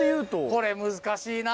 これ難しいな。